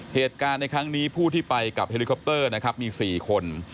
เหตุการณ์ในครั้งนี้ผู้ที่ไปกับเฮลิคอปเตอร์นะครับมี๔คน